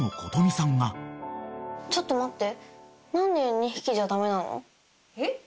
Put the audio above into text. ちょっと待って。